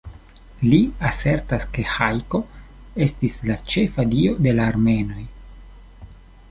Li asertas ke Hajko estis la ĉefa dio de la armenoj.